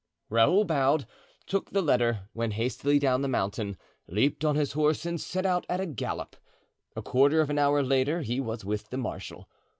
Raoul bowed, took the letter, went hastily down the mountain, leaped on his horse and set out at a gallop. A quarter of an hour later he was with the marshal.